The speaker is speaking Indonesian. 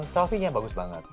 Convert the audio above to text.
selfie nya bagus banget